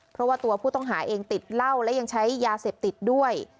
เพราะว่าตัวผู้ต้องหาเองติดเหล้าและยังใช้ยาเสพติดด้วย